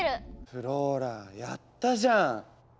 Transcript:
フローラやったじゃん！